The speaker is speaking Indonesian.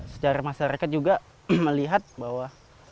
secara masyarakat juga melihat bahwa